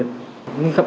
mình gặp mấy vi phạm